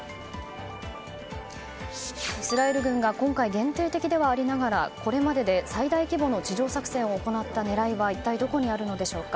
イスラエル軍が今回、限定的ではありながらこれまでで最大規模の地上作戦を行った狙いは一体どこにあるのでしょうか。